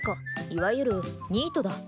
いわゆるニートだ。